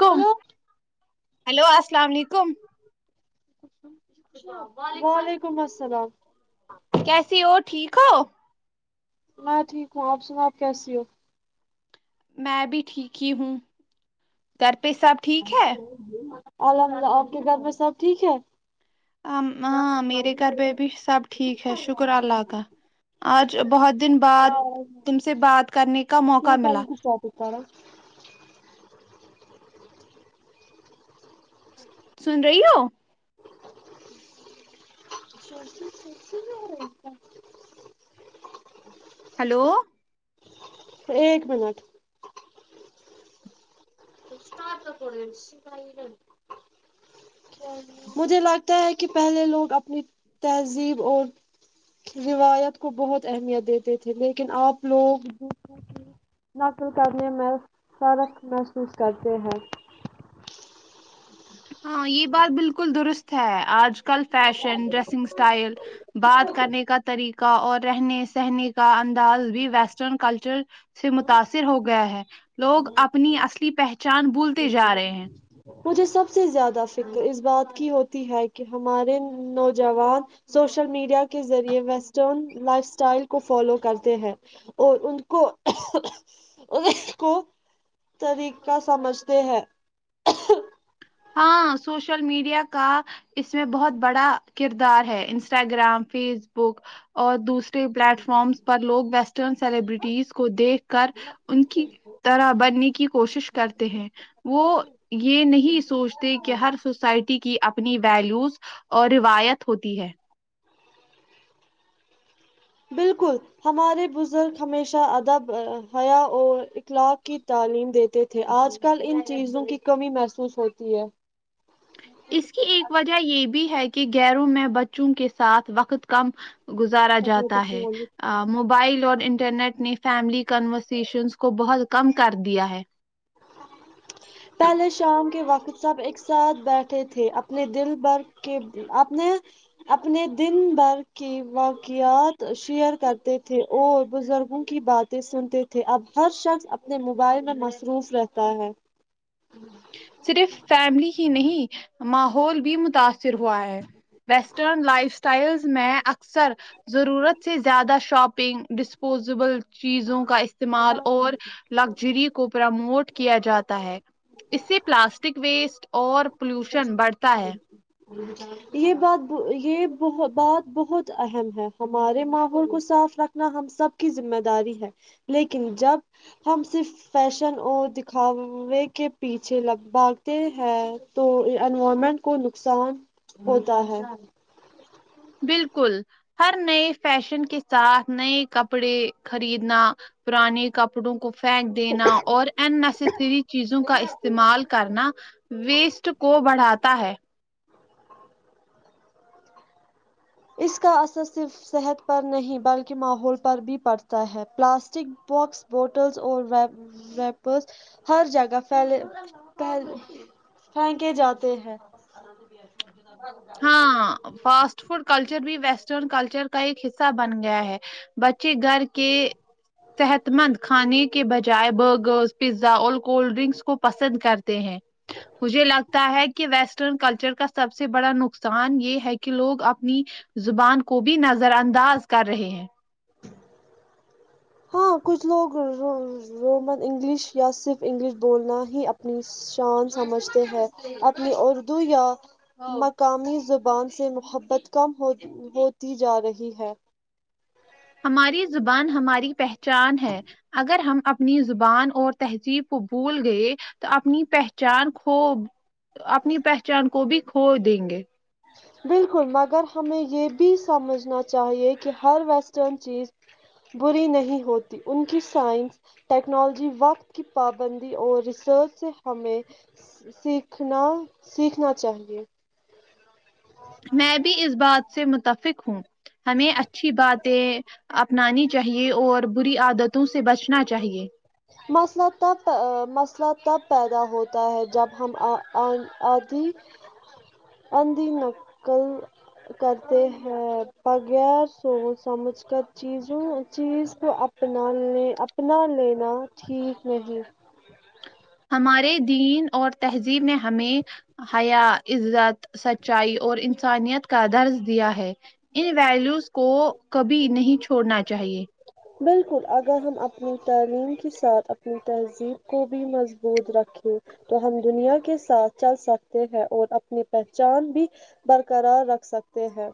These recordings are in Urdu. کم ہلو ہلو السلام علیکم وعلیکم السلام کیسیے ہو ٹھیک ہو میں ٹھیک ہوں آپ سناؤ آپ کیسی ہو میں بھی ٹھیک ہی ہوں گھر پہ سب ٹھیک ہے الحمد اللہ آپ کے گھر پہ سب ٹھیک ہے ام ہاں میرے گھر پہ بھی سب ٹھیک ہے شکر اللہ کا آج بہت دن بعد تم سے بات کرنے کا میں موقع نے ملا [unintelligible] سن رہی ہو [inaudible] ہیلو ایک منٹ [unintelligible] مجھے لگتا ہے کہ پہلے لوگ اپنی تہذیب اور روایت کو بہت اہمیت دیتے تھے لیکن آپ لوگ دوسروں نقل کرنے میں فرق محسوس کرتے ہیں ہاں یہ بات بالکل درست ہے آج کل فیشن ڈریسنگ اسٹائل بات کرنے کا طریقہ کا اور رہنے سہنے کا انداز بھی ویسٹرن کلچر سے متاثر ہو گیا ہے لوگ اپنی اصلی پہچان بھولتے جا رہے ہیں مجھے سب سے زیادہ فکر اس بات کی ہوتی ہے کہ ہمارے نوجوان سوشل میڈیا کے ذریعے ویسٹرن لائف اسٹائل کو فالو کرتے ہیں اور ان کو ان کو طریقہ سمجھتے ہیں ہاں سوشل میڈیا کا اس میں بہت بڑا کردار ہے انسٹاگرام فیس بک اور دوسرے پلیٹ فارمس پر لوگ ویسٹرن سیلیبریٹیز کو دیکھ کر ان کی طرح بننے کی کوشش کرتے ہیں وہ یہ نہیں پوچھتے کہ ہر سوسائٹی کی اپنی ویلوز اور روایت ہوتی ہے بالکل ہمارے بزرگ ہمیشہ ادب حیا اور اخلاق کی تعلیم دیتے دیتے تھے آج کل ان چیزوں کی کمی محسوس ہوتی ہے اس کی ایک وجہ یہ بھی ہے کہ غیروں میں بچوں کے ساتھ وقت کم گزارا جاتا ہے موبائل اور انٹرنیٹ نے فیملی کنورزیشنس کو بہت کم کر دیا ہے پہلے شام کے وقت سب ایک ساتھ بیٹھے تھے اپنے دن پر کے اپنے اپنے دن بھر کے واقعات شیئر کرتے تھے اور بزرگوں کی بات سنتے تھے اب ہر شخص اپنے موبائل میں مصروف رہتا ہے صرف فیملی ہی نہیں ماحول بھی متاثر ہوا ہے ویسٹرن لائف اسٹائل میں اکثر ضرورت سے زیادہ شاپنگ ڈسپوزیبل چیزوں کا استعمال اور لگزری کو پرموٹ کیا جاتا ہے اس سے پلاسٹک ویسٹ اور پولوشن بڑھتا ہے یہ بات یہ ب بات بہت اہم ہے ہمارے ماحول کو صاف رکھ ہم سب کی ذمہ داری ہے لیکن جب ہم صرف فیشن اور دکھاوے کے پیچھے لگ بھاگتے ہیں تو انوائرمنٹ کو نقصان ہوتا ہے بالکل ہر نئے فیشن کے ساتھ نئے کپڑے خریدنا پرانے کپڑوں کو پھینک دینا اور اننیسیسری چیزوں کا استعمال کرنا ویسٹ کو بڑھاتا ہے اس کا اثر صرف صحت پر نہیں بلکہ ماحول پر بھی پڑتا ہے پلاسٹک پاکس بوٹلس اور ریپر ریپرس ہر جگہ پھیلے پہل پھینکے جاتے ہیں ہاں فاسٹ فوڈ کلچر بھی ویسٹرن کلچر کا ایک حصہ بن گیا ہے بچے گھر کے صحت مند کھانے کے بجائے برگر پیزا اور کولڈ ڈرنکس کو پسند کرتے ہیں مجھے لگتا ہے کہ ویسٹرن کلچر کا سب سے بڑا نق نقصان یہ ہے کہ لوگ اپنی زبان کو بھی نظر انداز کر رہے ہیں ہاں کچھ لوگ رومن انگلش یا صرف انگلش بولنا ہی اپنی شان سمجھتے ہیں اپنی اردو یا مقامی زبان سے محبت کم ہو ہوتی جا رہی ہے ہماری زبان ہماری پہچان ہے اگر ہم اپنی زبان اور تہذیب کو بھول گئے تو اپنی پہچان کھو اپنی پہچان کو بھی کھو دیں گے بالکل مگر ہمیں یہ بھی سمجھنا چاہیے کہ ہر ویسٹرن چیز بری نہیں ہوتی ان کی سائنس ٹیکنالوجی وقت کی پابندی اور ریسرچ سے ہمیں سیکھنا سیکھنا چاہیے میں بھی اس بات سے متفق ہوں ہمیں اچھی باتیں اپنانی چاہیے اور بری عادتوں سے بچنا چاہیے مسئلہ تب مسئلہ تب پیدا ہوتا ہے جب ہم آدھی اندھی نقل کرتے ہیں بغیر سوچ سمجھ کر چیزوں چیز کو اپنا ل اپنا لینا ٹھیک نہیں ہمارے دین اور تہذیب نے ہمیں حیا عزت سچائی اور انسانیت کا درض دیا ہے ان ویلوز کو کبھی نہیں چھوڑنا چاہیے بالکل اگر ہم اپنی تعلیم کے ساتھ اپنی تہذیب کو بھی مضبوط رکھیں تو ہم دنیا کے ساتھ چل سکتے ہیں اور اپنی پہچان بھی برقرار رکھ سکتے ہیں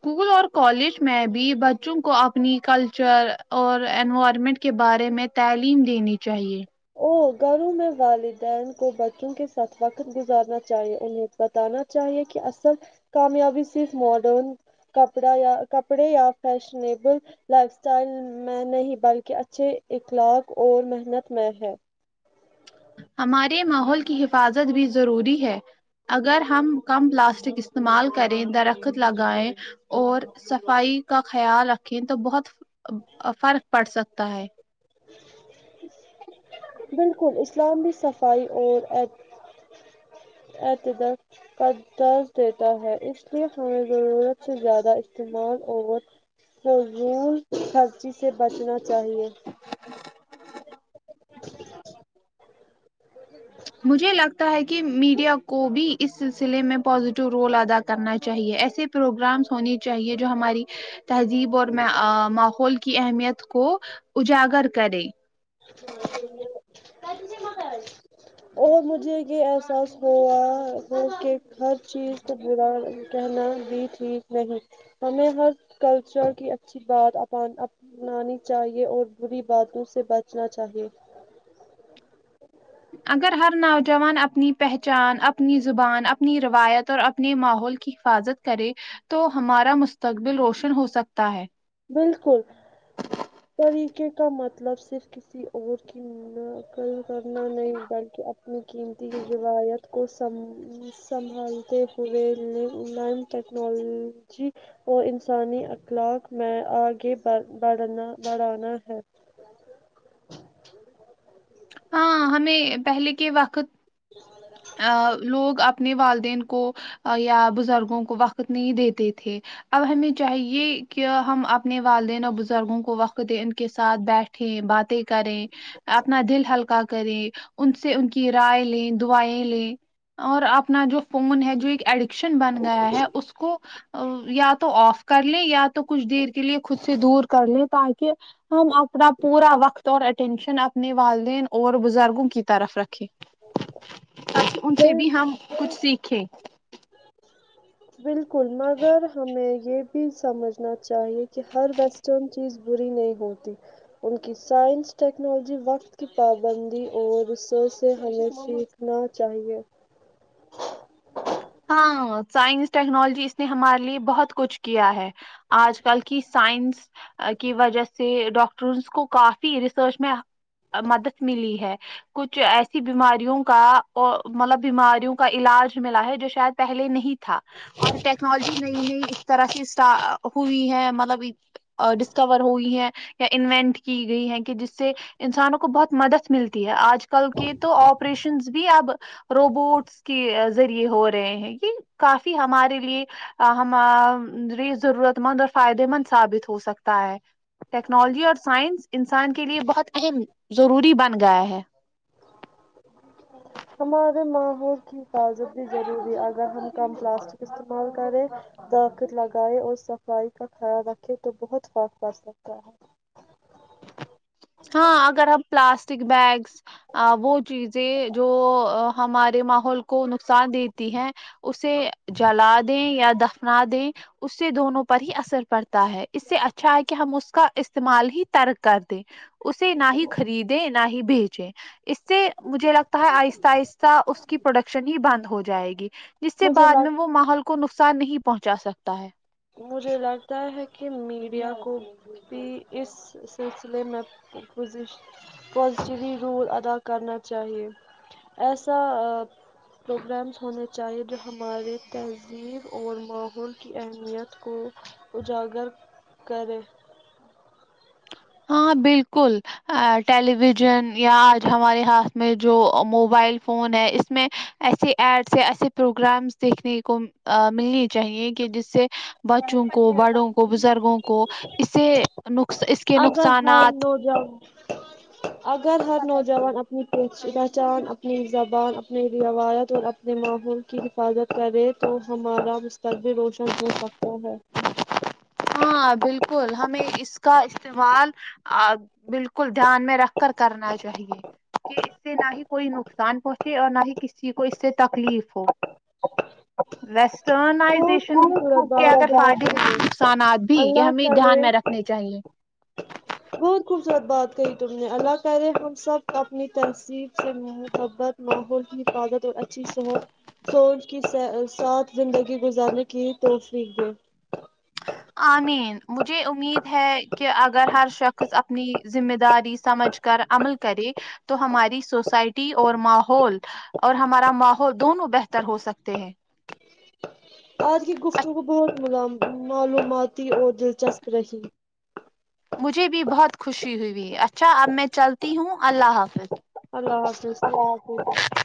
اسکول اور کالج میں بھی بچوں کو اپنی کلچر اور انوائرمنٹ کے بارے میں تعلیم دینی چاہیے اور گھروں میں والدین کو بچوں کے ساتھ وقت گزارنا چاہیے انہیں بتانا چاہیے کہ اصل کامیابی صرف ماڈرن کپڑا یا کپڑے یا فیشنیبل لائف اسٹائل میں نہیں بلکہ اچھے اخلاق اور محنت میں ہے ہمارے ماحول کی حفاظت بھی ضروری ہے اگر ہم کم پلاسٹک استعمال کریں درخت لگائیں اور صفائی کا خیال رکھیں تو بہت فرق پڑ سکتا ہے بالکل اسلام کی صفائی ات اورت انداز دیتا ہے اس لیے ہمیں ضرورت سے زیادہ استعمال اورت فضول خرچی سے بچنا چاہیے ج [unintelligible] جی مجھے لگتا ہے کہ میڈیا کو بھی اس سلسلے میں پزیٹو رول ادا کرنا چاہیے ایسے پروگرامس ہونے چاہیے جو ہماری تہذیب اور ماحول کی اہمیت کو اجاگر کرے ہاں اور مجھے یہ احساس ہوا وہ کہ ہر چیز تب کہنا بھی ٹھیک نہیں ہمیں ہر کلچر کی اچھی بات اپ اپنانی چاہیے اور بری باتوں سے بچنا چاہیے اگر ہر نوجوان اپنی پہچان اپنی زبان اپنی روایت اور اپنے ماحول کی حفاظت کرے تو ہمارا مستقبل روشن ہو سکتا ہے بالکل طریقے کا مطلب صرف کسی اور کی ک کرنا نہیں بلکہ اپنی قیمتی روایت کو سمجھنے سنبھالتے ہوئے نایی ٹیکنالوجی اور انسانی اخلاق میں آگے بڑ بڑھنا بڑھانا ہے ہاں ہمیں پہلے کے وقت غ [unintelligible] ا لوگ اپنے والدین کو یا بزرگوں کو وقت نہیں دیتے تھے اب ہمیں چاہیے کہ ہم اپنے والدین اور بزرگوں کو وقت دے ان کے ساتھ بیٹھ باتیں کریں اپنا دل ہلکا کریں ان سے ان کی رائے لیں دعاۓ لے اور اپنا جو فون ہے جو ایک ایڈکشن بن گیا ہے اس کو ا یا تو اوف کرلے یا تو کچھ دیر کے لئے خود سے دور کرلے تا کے ہم اپنا پورا وقت اور اٹینشن اپنے والدین اور بزرگوں کی طرف رکھے ان سے بل بھی ہم کچھ سیکھے بالکل مگر ہمیں یہ سمجھنا چاہیے کہ ہر ویسٹرن چیز بری نہیں ہوتی ان کی سائنس ٹیکنالوجی وقت کی پابندی اور ریسرچ سے ہمیشی نہ چاہیے ہاں سائنس ٹیکنالوجی اس نے ہمارے لیے بہت کچھ کیا ہے آج کل کی سائنس کی وجہ سے ڈاکٹرس کو کافی ریسرچ میں مدد ملی ہے کچھ ایسی بیماریوں کا مطلب بیماریوں کا علاج ملا ہے جیسے شاید پہلے نہیں تھا اور ٹیکنالوجی نئی نئی اس طرح سے اسٹ ہوئی ہے مطلب ڈسکور ہوئی ہے یا انوینٹ کی گئی ہے کہ جس سے انسانوں کو بہت مدد ملتی ہے اج کل کے تو آپریشنز بھی اب روبوٹس کے ذریعے ہو رہے ہیں یہ کافی ہمارے لیے ہماری ضرورت مند اور فائدے مند ثابت ہو سکتا ہے ٹیکنالوجی اور سائنس انسان کے لیے بہت اہم ضروری بن گیا ہے ہمارے ماحول کی حفاظت بھی ضروری ہے اگر ہم کم پلاسٹک استعمال کریں طاقت لگائے اور صفائی کا خیال رکھے تو بہت فرق پڑ سکتا ہے ہاں اگر اب پلاسٹک بیگس آں وہ چیزیں جو ہمارے ماحول کو نقص ان دیتی ہے اسے جلا دیں یا دف نا دیں اس سے دونوں پر ہی اثر پڑتا ہے اس سے اچھا ہے کہ ہم اس کا استعمال ہی ترک کر دے اسے نہ ہی خریدیں نہ ہی بیچیں اس سے مجھے لگتا ہے آہستہ آہستہ اس کی پروڈکشن ہی بند ہو جائے گی جس سے مجھے بعد میں لگ وہ ماحول کو نقصان نہیں پہنچا سکتا ہے مجھے لگتا ہے کہ میڈیا کو بھی اس سلسلے میں پوزی پازیٹیولی رول ادا کرنا چاہیے ایسا پروگرامس ہونے چاہیے جو ہمارے تہذیب اور ماحول کی اہم یت کو اجاگر کریں ہاں بالکل اے ٹیلیویژن یا آج ہمارے ہاتھ میں جو موبائل فون ہے اس میں ایسے ایڈس یا ایسے پروگرامس دیکھنے کو آ ملنی چاہیے کہ جس سے بچوں کو بڑوں کو بزرگوں کو اسے نقص اس کے اگر ہر نقصانات اگر ہر نوجوان اپنی پہچان اپنی زبان اپنے روایت اور اپنے ماحول کی حفاظت کرے تو ہمارا مستقبل روشن ہو سکتا ہے ہاں بالکل ہمیں اس کا استعمال آب بالکل دھیان میں رکھ کر کرنا چاہیے کہ اس سے نہ ہی کوئی نقصان پہنچے اور نہ ہی کسی کو اس سے تکلیف ہو ویسٹرن بہت آئزیشن خوبصورت کے بات اگر [inaudible] کہی تم نے نقصانات بھی یہ اللہ ہمیں دھیان کرے میں رکھنے چاہیے بہت خوبصورت بات کہی تم نے اللہ کرے ہم سب اپنی تہذیب سے محبت ماحول کی حفاظت اور اچھی صحت سونچ کی سا ساتھ زندگی گزارنے کی توفیق دے آمین مجھے امید ہے کہ اگر ہر شخص اپنی ذمہ داری سمجھ کر عمل کرے تو ہماری سوسائٹی اور ماحول اور ہمارا ماحول دونوں بہتر ہو سکتے ہیں آج کی گفتگو بہت ہی ملام معلوماتی اور دلچسپ رہی مجھے بھی بہت خوشی ہوئی اچھا اب میں چلتی ہوں اللہ حافظ اللہ حافظ [unintelligible]